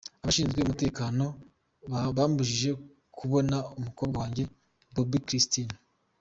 Abashinzwe umutekano bambujije kubona umukobwa wanjye Bobbi-Kristina.